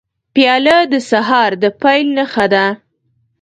پیاله د سهار د پیل نښه ده.